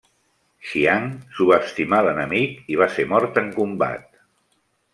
Xiang subestimà l'enemic i va ser mort en combat.